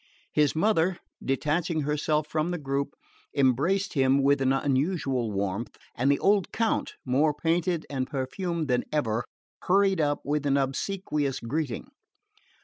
His mother, detaching herself from the group, embraced him with unusual warmth, and the old Count, more painted and perfumed than ever, hurried up with an obsequious greeting.